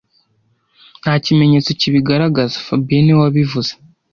Nta kimenyetso kibigaragaza fabien niwe wabivuze